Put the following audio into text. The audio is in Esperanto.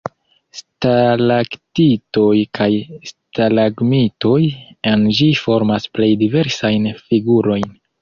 Stalaktitoj kaj stalagmitoj en ĝi formas plej diversajn figurojn.